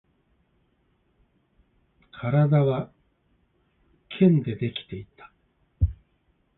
体は剣でできていた